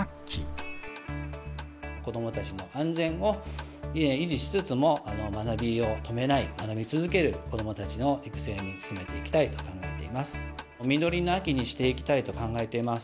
子どもたちの安全を維持しつつも、学びを止めない、学び続ける、子どもたちの育成に努めていきたいと考えています。